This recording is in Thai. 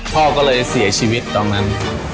พ่อก็เลยเสียชีวิตตอนนั้น